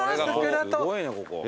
すごいねここ。